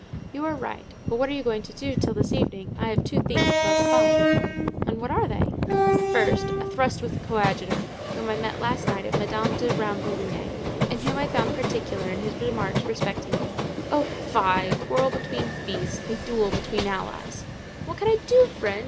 "You are right; but what are you going to do until this evening? I have two things to postpone." "And what are they?" "First, a thrust with the coadjutor, whom I met last night at Madame de Rambouillet's and whom I found particular in his remarks respecting me." "Oh, fie—a quarrel between priests, a duel between allies!" "What can I do, friend?